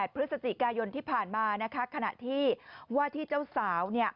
พฤศจิกายนที่ผ่านมานะคะขณะที่ว่าที่เจ้าสาว